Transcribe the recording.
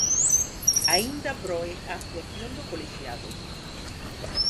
Aínda proe a actuación do colexiado.